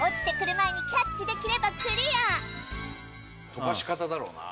飛ばし方だろうな